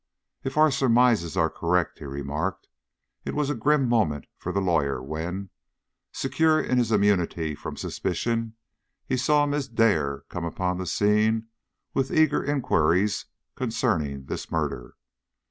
"If our surmises are correct," he remarked, "it was a grim moment for the lawyer when, secure in his immunity from suspicion, he saw Miss Dare come upon the scene with eager inquiries concerning this murder.